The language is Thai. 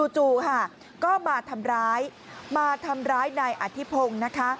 จู๋ที่มาทำร้ายในอธิพงศ์